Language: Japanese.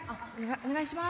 お願いします。